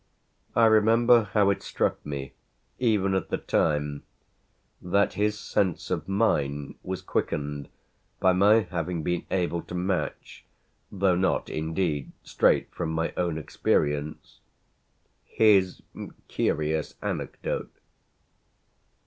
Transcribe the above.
I remember how it struck me even at the time that his sense of mine was quickened by my having been able to match, though not indeed straight from my own experience, his curious anecdote.